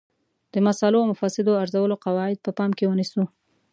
د مصالحو او مفاسدو ارزولو قواعد په پام کې ونیسو.